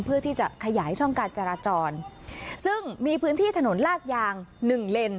เพื่อที่จะขยายช่องการจราจรซึ่งมีพื้นที่ถนนลาดยางหนึ่งเลน